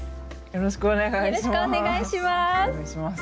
よろしくお願いします。